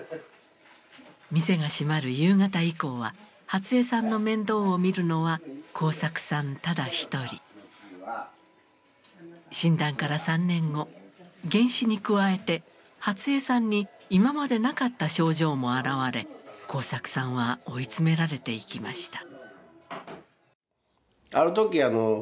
店が閉まる夕方以降は初江さんの面倒を見るのは耕作さんただ一人。診断から３年後幻視に加えて初江さんに今までなかった症状も現れ耕作さんは追い詰められていきました。